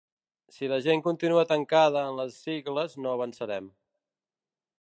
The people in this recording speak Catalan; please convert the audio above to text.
Si la gent continua tancada en les sigles no avançarem.